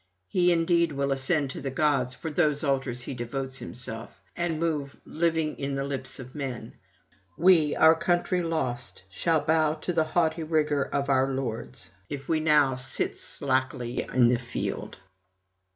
He indeed will ascend to the gods for whose altars he devotes himself, and move living in the lips of men: we, our country lost, shall bow to the haughty rigour of our lords, if we now sit slackly on the field.'